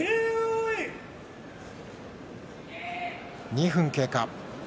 ２分経過。